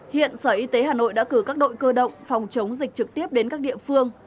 hiện sở y tế hà nội đã cử các đội cơ động phòng chống dịch trực tiếp đến các địa phương